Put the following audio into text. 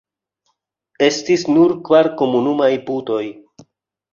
Estis nur kvar komunumaj putoj.